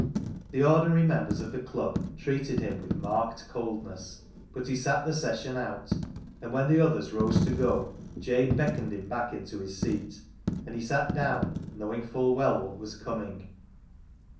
The ordinary members of the Club treated him with marked coldness, but he sat the session out, and when the others rose to go, Jabe beckoned him back into his seat, and he sat down, knowing full well what was coming.